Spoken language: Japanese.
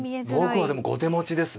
僕はでも後手持ちですね。